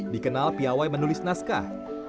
dikenal piawai menulis naskah